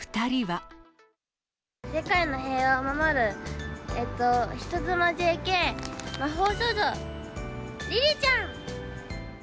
世界の平和を守る、えっと、人妻ＪＫ、魔法少女りりちゃん！